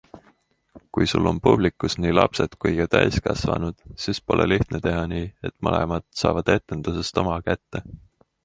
Kui sul on publikus nii lapsed kui ka täiskasvanud, siis pole lihtne teha nii, et mõlemad saavad etendusest oma kätte.